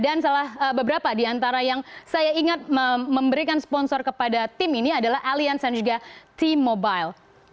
dan salah beberapa diantara yang saya ingat memberikan sponsor kepada tim ini adalah allianz dan juga t mobile